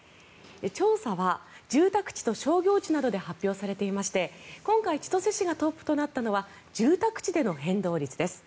調査は住宅地と商業地などで発表されていまして今回千歳市がトップとなったのは住宅地での変動率です。